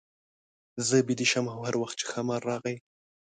زه بېده شم او هر وخت چې ښامار راغی.